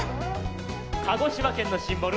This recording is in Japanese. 鹿児島県のシンボル